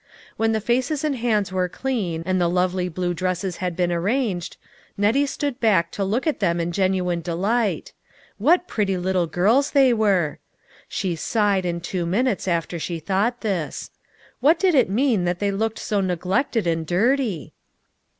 When the faces and hands were clean, and the lovely blue dresses THE TRUTH IS TOLD. 47 had been arranged, Nettie stood back to look at them in genuine delight. What pretty little girls they were! She sighed in two minutes after she thought this. What did it mean that they looked so neglected and dirty?